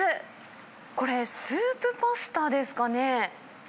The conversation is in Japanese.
これ、スープパスタですかね。